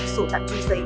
số tặng chung giấy